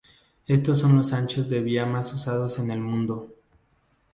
Estos son los anchos de vía más usados en el mundo.